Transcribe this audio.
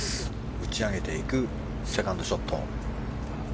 打ち上げていくセカンドショット。